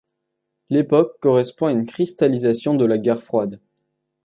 L’époque correspond à une cristallisation de la guerre froide.